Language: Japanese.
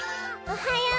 おはよう！